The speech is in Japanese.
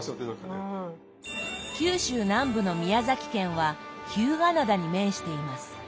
九州南部の宮崎県は日向灘に面しています。